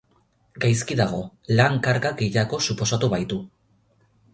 Gaizki dago, lan karga gehiago suposatu baitu.